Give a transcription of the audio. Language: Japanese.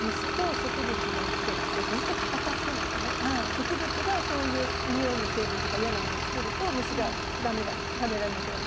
植物がそういう匂いの成分とか嫌なものをつくると虫が食べられなくなるでしょ？